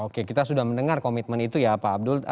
oke kita sudah mendengar komitmen itu ya pak abdul